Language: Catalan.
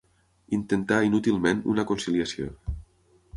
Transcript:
Intentà inútilment una conciliació.